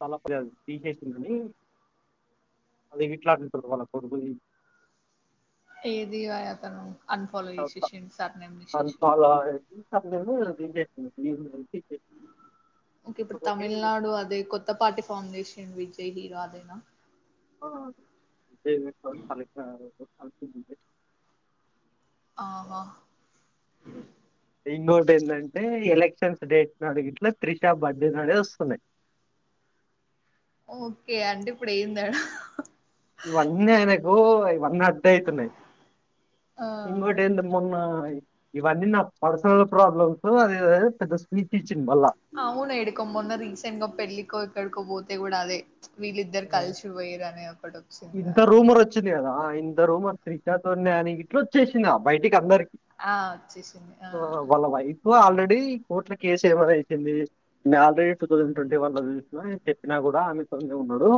తలపో తీసేసిందిని అది ఇట్లాంటుంది వాళ్ళ కొడుకుని ఏది వయా తను అన్ఫాలో చేసేసిండు సర్నేమ్ తీసేసిండు అప్పు ఓకే ఇప్పుడు తమిళనాడు అదే కొత్త పార్టీ ఫార్మ్ చె విజయి అదేనా ఓ పలికినారు ఆహా ఇంకోటి ఏంటంటే ఎలక్షన్స్ డేట్ నడిగి ఇట్లా త్రిషా బర్త్డే అనేది వస్తున్నాయి ఓకే అంటే ఇప్పుడు ఎందడా ఇవన్నీ ఆయనకు ఇ వన్ అయితేనే ఆ ఇంగోటెంది మొన్న ఇవన్నీ నా పర్సనల్ ప్రాబ్లమ్స్ అదే పెద్ద స్పీచ్ ఇచ్చింది మళ్ళా అవును ఎడుకో మున్న రీసెంట్గా పెళ్లి ఎక్కడి పోతే కూడా అదే వీళ్ళిద్దరు కలిసి పోయరు అనే ఒక ఇంత రూమర్ వచ్చిందిగ దా ఇంత రుమర్ త్రిషాతోనే అని ఇట్లా వచ్చేసిందా బయటికి అందరికి ఆ వచ్చేసింది ఆ వాళ్ళ వైఫ్ ఆల్రెడీ కోర్టులో కేసు ఏమనాసిింది నేను already two thousand twenty one లో చ చెప్పినా కూడా ఆమెతోనే ఉన్నాడు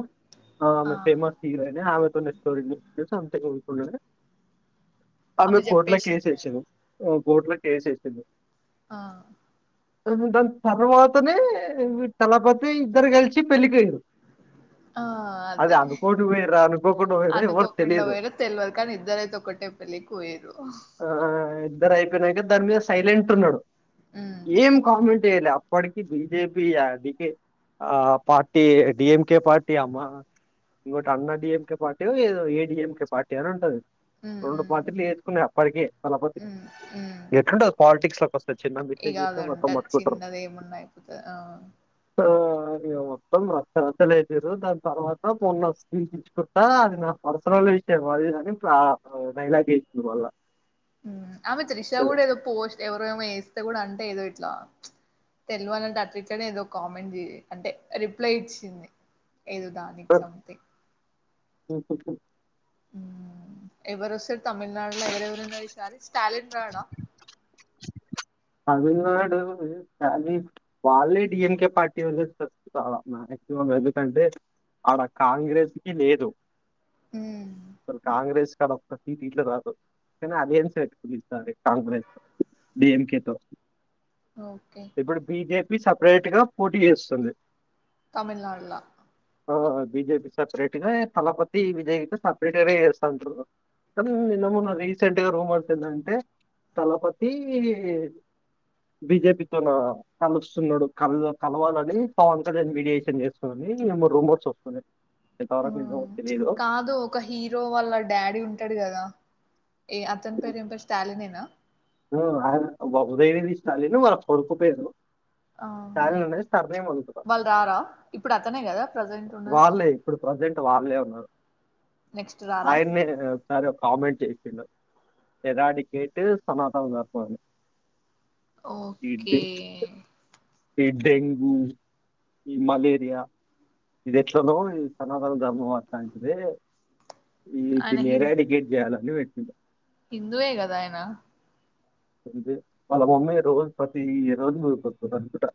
ఆ అవును ఫేమస్ ఆమె తోనే [inaudible] ఆమె కోర్ట్లా కేసు ఎసింది కోర్టులో కేసు ఏసింది ఆ దాని తర్వాతనే తలపతి ఇద్దరు కలిసి పెళ్ళకి పోయిరు ఆ అదే పోయారా అనుకోకుండా పోయారా ఎవరు అనుకోకుండా తెలియదు పోయరు తెలవదు కానీ ఇద్దరైతే ఒకటే పెళ్లికి పోయరు ఆ, ఇద్దరు అయిపోయినాయికద దాని మీద సైలెంట్ ఉన్నాడు ఉమ్ ఏం కామెడి అప్పటికి బిజెపి క ఆ పార్టీ డిఎంకె పార్టీ అమ్మా ఇంకోటి అన్న డడిఎంకే పార్టీ ఏదో ఏ డిఎంకే పార్టీ అని ఉంటది హ్మ్ రెండు హ్మ్ మంతలు వేసుకునే అప్పటికే తపో ఎట్లుంట పాలిటిక్స్ లో ఇక అద ఉంటది చిన్నది ఏమున్నా అయిపోతుంది ఆ ఆ, మొత్తం రసరచ్చలుజారు దాని తర్వాత పోొన్న ల్చ్చుకుంటా అది నా పరిసరంలో విషయము అది కాని నైలాగసంది వల్ల అ మ తిష కూడా ఏదో పోస్ట్ ఎవర ఏేస్త కూడా అంట ఏదో ఇట్లా తెలుగు అన్నట్ అటుట్నే ఏదో కామెంట్ అంటే రిప్లై ఇచ్చింది ఏద దానికినికి సంథంగ్ బల్ల్ ఎవరుొస తమిళనాడులో ఎవరెవరుండ సారి స్టాలిన్ రాడా తమిళనాడు కానీ వాళ్ళే డిఎన్కే పార్టీ మక్సిమం ఎందుకంటే అడ కాంగ్రెస్ కి లేదు హ్మ్ స కాంగ్రెస్ ఇక్కడ ఒక్క సీట్ ఇట్లు కాదు కానీ అలియన్స్ పెట్టుకునిస్తారు కాంగ్రెస్ డిఎంకే స ఓకే ఇప్పు బిజే సపరేట్ గా పోటీ చేస్తుంది తమిళనాడులా ఆ బిజేపి సపరేట్గా తలపతి విజయ్తో సపరేట్గానే చేస్తాంటారు కానీ నిన్న మొన్న రీసెంట్గా రూమర్స్ ఏంటంటే తలపతి బిజెపితోోన కలుస్తున్నాడు కల కలవాలని పవన్ కళ్యాణ్ వడియేషన్ చేసుకొని మేమో రూబోట్స్ వస్తున్నా ఉ కాదు ఒక హీరో వాళ్ళ డాడీ ఉంటాడు కదా ఏ అతం పేరు ఇ స్టాలినేనా ఒకదయది ఇస్తాలే వాళ్ళ కొడుకుపోేరు ఆ నే సర్నే అలుతు వాళ్ళు రారా ఇప్పుడు అతనే కదా ప్రజెంట్ ఉన్నది వాళ్ళే ఇప్పుడు ప్రజెంట్ వాళ్ళే ఉన్నారు నెక్స్ట్ రారా ఆయన్న ఒకసారి ఒక కామెంట్ చేసి ఎదడి కేటు ట వర్పోాలదు ఓకే ఈ డెంగూ ఈ మలేరియా ఇది ఎట్లానో సనాతన ధర్మం మాట్లాంటే ఈ త నే ర అడి గెడ్జయాలావ అ హిందూ ఏ కదా ఏనా అ వాళ్ళ మమ్మీ రోజు ప్రతి రోజు రుతుంది అనుకుంట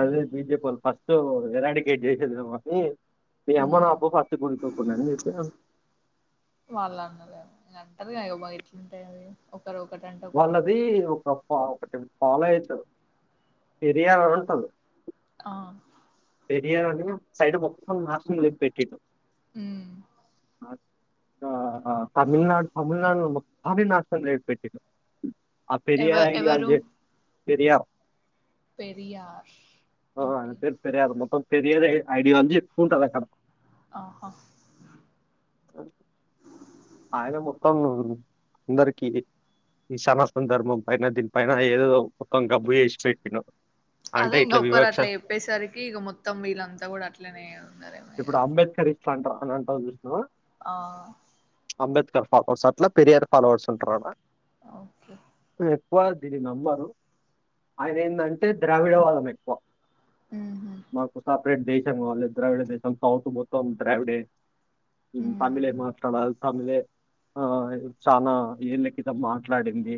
అదే బిజేపీ వాళ్ళు ఫస్ట్ ఎరాడికేట్ చేసేది మమ్మని ఎమనా అబ పటు కుకుడాని మీ అది కాంట [unintelligible] వాళ్ళది ఒక ప ఒకటి ఫాలో ఐతారు పిర్యాల అంటారు ఆ తెరియని సైడ్ ఒక్క మార్త్రం లే పెట్టిట్టు ఉ ఆ ఆ తమిళనాడు తమిళనాడులో ము భారి నాటకం చేసి పెట్టిన్రు. ఆ పెరియ ఎవ ఎవరు ఐడియాలజీ పెరియాప్ పెరియార్ ఓకే అ ఆరు మొత్తం పెరిద ఐడియాలజీ ఉంటాదక్కడ ఆహా ఆయన మొత్తం అందరికి ఈ సనాతన ధర్మం పైన దీని పైన ఏదో ఒ మొత్తం గబ్బు చేశి పెట్టినవ్ అదే ఇంకా ఒక్కరాట్ల చెప్పేసరికి ఇక మొత్తం వీళ్ళంతా కూడా అట్లనే ఉన్నారేమో ఇగ ఫంట అనీ అంటంది చూసినవా ఆ అంబేద్కర్ ఫాలోవర్స్ అట్లా పెరియార్ ఫాలోవర్స్ ఉంటారడ ఓకే ఉమ్మ్ ఎక్కువ దీని నమ్మరు, ఆయన ఎందంటే ద్రావిడ వాదం ఎక్కువ ఉ మాకు సపరేట్ దేశం కావాలి. ద్రావిడే దేశం సౌత్ మొత్తం ద్రావిడే, తమిళే హ్మ్ మాట్లాడాలి తమిళే ఆ చానా ఏళ్ళకి ఇలా మాట్లాడింది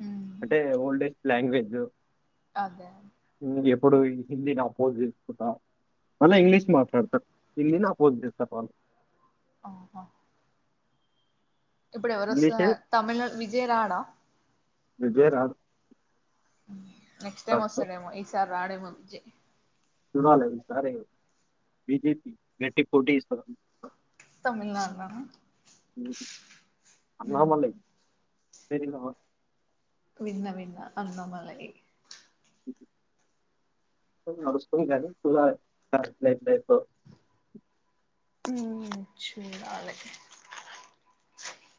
హ్మ్ అంటే ఓల్డేజ్ లాంగ్వేజు అదే ఇప్పుడు హిందీ రాదు పోఓజ బత [inaudible] మళ్ళా హ్మ్ ఇంగ్లిష్ మాట్లాడత ఇల్లీ నా పోజ దస్తప్పాల [unintelligible] ఆహా ఇప్పుడు ఇంగ్లీషే ఎవరిస్తారు తమిళ విజయరాడా ఎస్ జే రాదు నెక్స్ట్ టైమ్ వస్తాడెమో ఈసారి రాడేమో విజయ్ చూడాలి ఈ సారి బి జె పి గట్టి పోటీ ఇస్తోంది తమిళనాడులా నా ఉమ్ తెరిగామ్మా [unintelligible] విన్న విన్న అన్నమల అ త చ్చ అలాగే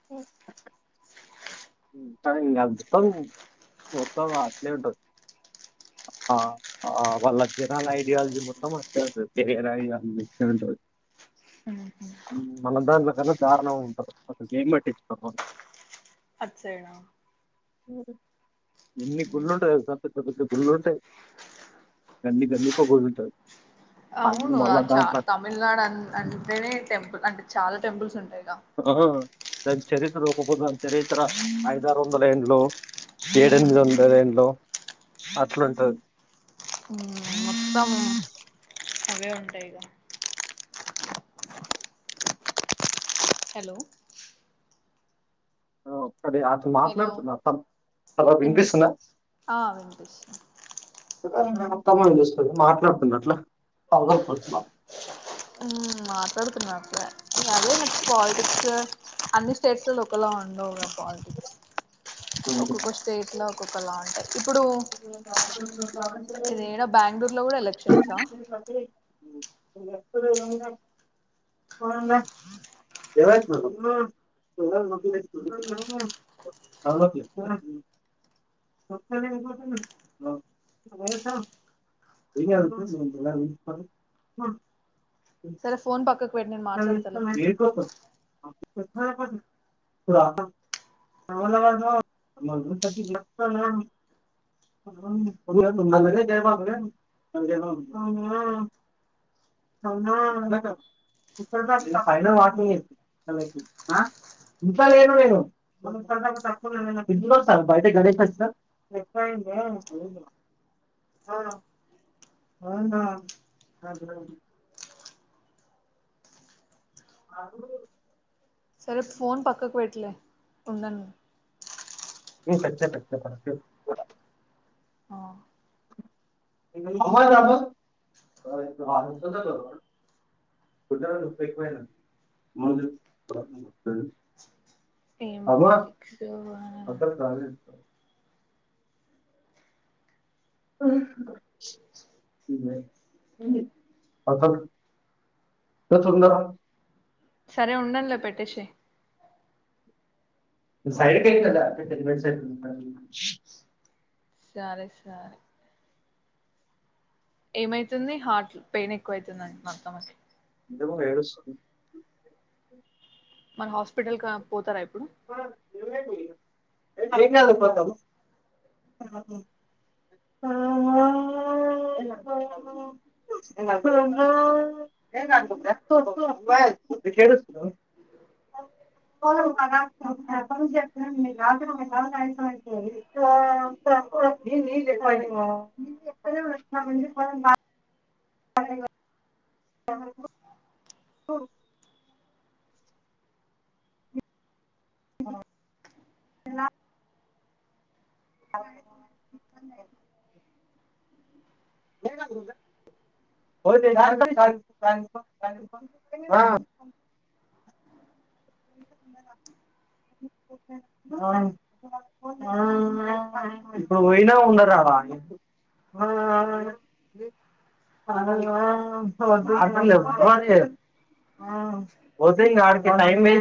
ఓ మొత్తం మొత్తం అట్లే ఉంటుంది ఆ వాళ్ళ జనరల్ ఐడియాలజీ మొత్తం అట్లే ఉంటుంది కెరియర్ ఐడియాలజీ అట్ ఉంటుంది మనందా క చారణ ఉంటారు అస ఏం పట్టించుకోి అచ్చేనా ఉ ఎన్ని గుళ్లు ఉంటు సంత గుళ్ళు ఉంటాయి గల్లి గల్లీ కి ఒక గుడి ఉంటది అవును అచ్చా తమిళనాడు అ అంటేనే టెంపుల్ అంటే చాల టెంపుల్స్ ఉంటాయి హా దాని చరిత్ర ఒకొక దాని చరిత్ర ఐద ఆరు వందల ఏంలో హ్మ్ ఏడెనిమిది వంద ఏండ్లో అట్లు ఉంటది ఊమ్ మొత్తము అవే ఉంటాయిగ హలో ఆ, ఒక్కడే అట్లా హలో మాట్లాడుతున్నా తమ- అలా వినిపిస్తూ వినిపిస్తున్నా ఆ వినిపిస్తుంది అత్తామం చూస్తుంది మాట్లాడుతున్న అట్లా పవగలపోతున్నారు మాట్లాడుతున్నారుక్క అదే నాకు పాలిటిక్స్ అన్ని స్టేట్స్ లో ఒకలా ఉండవుగా పాలిటిక్స్ ఒక్కొక్క స్టేట్లా ఒక్కొక్కలా ఉంటాయి ఇప్పుడు ఇదేడా బెంగళూరు లో కూడా ఎలక్ష సా ఎ [unintelligible] [inaudible] సరే ఫోన్ పక్క సకో ే బగు [unintelligible] ఇ పైన వాటలు చేంది ఇంట్లో లేను నేనుా తక్కువ ఇట్లో వస్తారు బయట గణేష్ వచ్చార్వు అవును సరే ఫోన్ పక్కకు పెట్లే ఉండను కచ్చ పె ఆ బబా [unintelligible] ఏం పోలిటిక్స్ పో ఆ అక్కడ కాదు. [inaudible] సరే ఉండన్లే పెట్టేసెయి సైడ్కెక్ట్ కదా సరే సరే ఏమైతుంది హార్ట్ పెయిన్ ఎక్కువయితుందంట మా అత్తమ్మకి ఎందుకు ఏడుస్తుంది మన హాస్పిటల్క పోతారా ఇప్పుడు [unintelligible] [unintelligible] [unintelligible] [inaudible] లా అ ఆ ఇప్పుడు పోయినా ఉండరా [inaudible]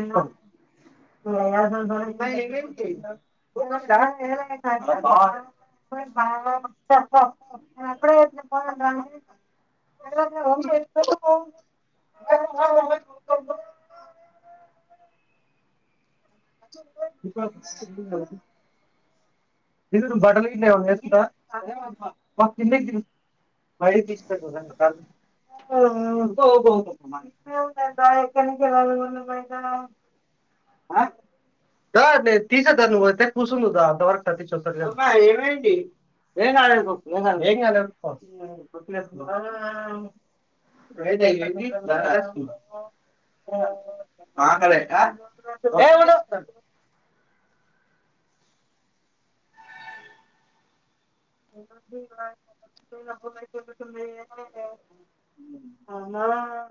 [inaudible] [unintelligible] ఇ [unintelligible] [unintelligible] అ